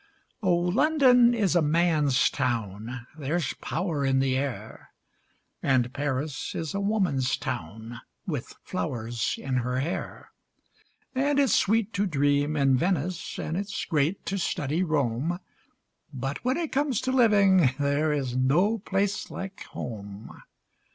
Oh, London is a man's town, there's power in the air; And Paris is a woman's town, with flowers in her hair; And it's sweet to dream in Venice, and it's great to study Rome; But when it comes to living there is no place like home.